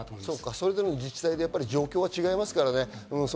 それぞれの自治体で状況が違いますからね。